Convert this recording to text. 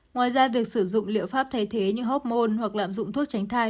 ngoài ra việc sử dụng liệu pháp thay thế như hóc môn hoặc lạm dụng thuốc tránh thai